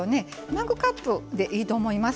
マグカップでいいと思います。